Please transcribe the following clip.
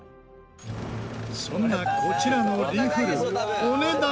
そんなこちらのリフルお値段は。